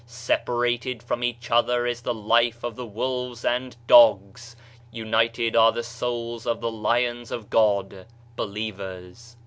Separated from each other is the life of the wolves and dogs; united are the souls of the lions of God" (believers).